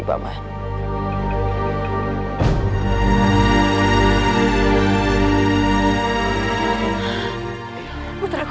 hai baiklah terima kasih bama